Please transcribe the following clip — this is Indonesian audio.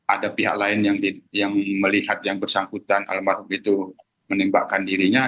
ada pihak lain yang melihat yang bersangkutan almarhum itu menembakkan dirinya